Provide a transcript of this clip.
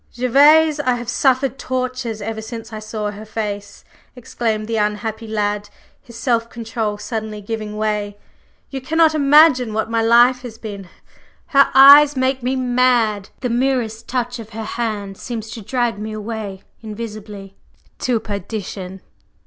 "Gervase, I have suffered tortures ever since I saw her face!" exclaimed the unhappy lad, his self control suddenly giving way. "You cannot imagine what my life has been! Her eyes make me mad, the merest touch of her hand seems to drag me away invisibly. …" "To perdition!"